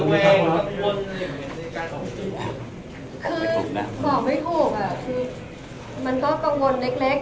คือไหมถูกอ่ะคือมันก็กังวลเล็ก